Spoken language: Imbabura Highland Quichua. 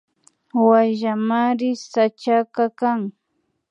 Wayllamari sachaka kan